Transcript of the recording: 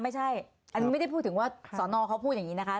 ไม่ใช่อันนี้ไม่ได้พูดถึงว่าสอนอเขาพูดอย่างนี้นะคะ